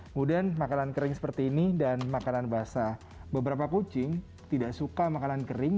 kemudian makanan kering seperti ini dan makanan basah beberapa kucing tidak suka makanan kering